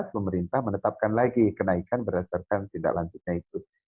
pemerintah menetapkan lagi kenaikan berdasarkan tindak lanjutnya itu